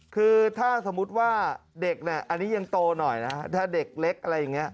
คือถ้าสมมุติว่าเด็กเนี่ยอันนี้ยังโตหน่อยนะฮะถ้าเด็กเล็กอะไรอย่างนี้